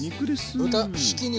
豚ひき肉。